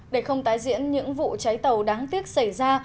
để không tái diễn những vụ cháy tàu đáng tiếc xảy ra